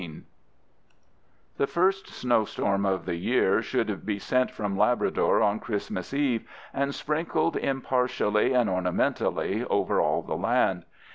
The first snowstorm of the year should be sent from Labrador on Christmas Eve and sprinkled impartially and ornamentally over all the land.